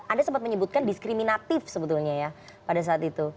anda sempat menyebutkan diskriminatif sebetulnya ya pada saat itu